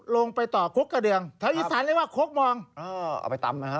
ลงไปต่อคกกระเดืองแถวอีสานเรียกว่าคกมองเออเอาไปตำนะฮะ